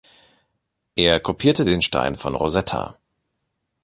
Er kopierte den Stein von Rosetta.